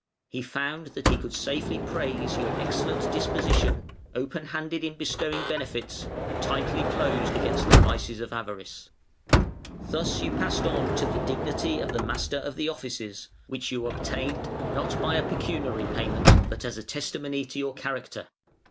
He found that he could safely praise your excellent disposition, open handed in bestowing benefits, tightly closed against the vices of avarice". [Footnote 87: Variæ, ix., 24.] "Thus you passed on to the dignity of Master of the Offices, which you obtained, not by a pecuniary payment, but as a testimony to your character.